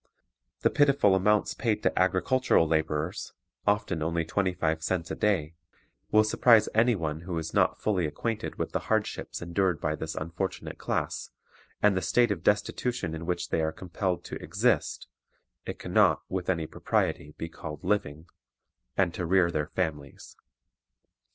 The pitiful amounts paid to agricultural laborers (often only twenty five cents a day) will surprise any one who is not fully acquainted with the hardships endured by this unfortunate class, and the state of destitution in which they are compelled to exist (it can not, with any propriety, be called living), and to rear their families.